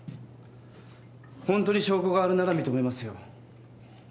ホントに証拠があるなら認めますよ。